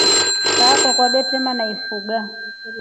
Kaa kwakwa twedema naifuga.